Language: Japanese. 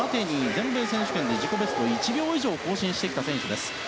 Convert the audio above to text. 全米選手権で自己ベスト１秒以上更新してきた選手です。